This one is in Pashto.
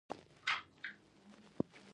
زه مو په تمه یم